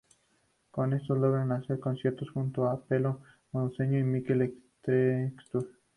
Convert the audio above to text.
Con esto logra hacer conciertos junto a Pelo Madueño y Mikel Erentxun.